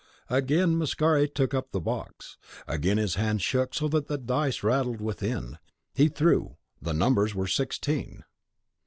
Again Mascari took up the box; again his hand shook so that the dice rattled within. He threw; the numbers were sixteen.